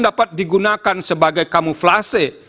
dapat digunakan sebagai kamuflase